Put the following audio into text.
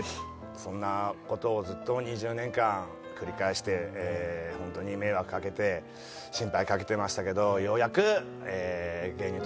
そんな事をずっと２０年間繰り返してホントに迷惑かけて心配かけてましたけどようやく芸人として食べる事ができまして。